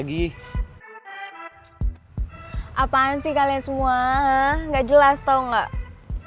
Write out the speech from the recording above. gimana sih kalian semua nggak jelas tau nggak